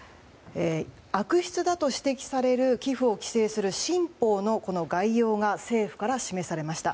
悪質だと指摘される寄付を規制する新法の概要が政府から示されました。